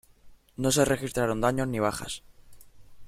No se registraron daños ni bajas.